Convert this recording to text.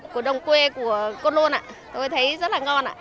của đồng quê của con lôn tôi thấy rất là ngon